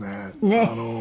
ねえ。